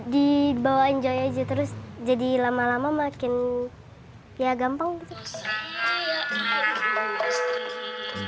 dibawa saja jadi lama lama semakin mudah